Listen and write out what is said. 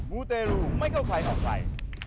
มูเตรูไม่เข้าใครออกใคร